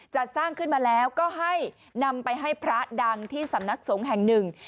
จัดสร้างขึ้นมาแล้วก็ให้นำไปให้พระดังที่สำนักสงฆ์แห่งหนึ่ง